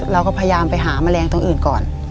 เราก็พยายามไปหาแมลงตรงอื่นก่อน